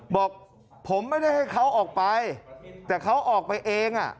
บอกผมไม่ได้ให้เขาออกไปแต่เขาออกไปเอง